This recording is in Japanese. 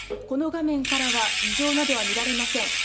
この画面からは異常などは見られません。